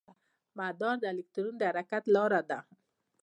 مدار د الکترون د حرکت لاره ده.